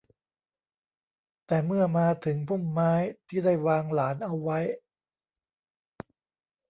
แต่เมื่อมาถึงพุ่มไม้ที่ได้วางหลานเอาไว้